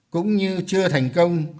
cũng như chưa thành công